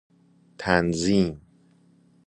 تنظیم